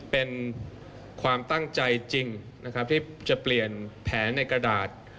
เป็นความตั้งใจจริงนะครับที่จะเปลี่ยนแผนในกระดาษ